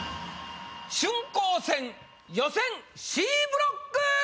春光戦予選Ｃブロック！